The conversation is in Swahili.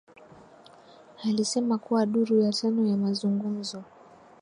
alisema kuwa duru ya tano ya mazungumzo